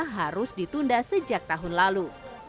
harus ditunda sejak tahun lalu